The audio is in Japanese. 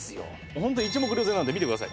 ホントに一目瞭然なんで見てください。